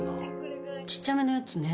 ちっちゃめのやつね